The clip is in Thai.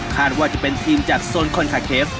ว่าจะเป็นทีมจากโซนคอนคาเคฟ